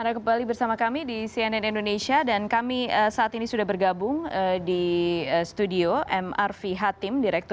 bagaimana bisa penyelesaian yang baik